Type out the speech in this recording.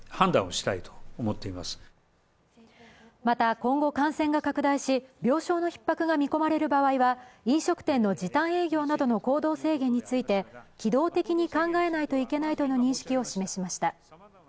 また、今後、感染が拡大し、病床のひっ迫が見込まれる場合は飲食店の時短営業などの行動制限について、機動的に考えないといけないとの認識を示しました。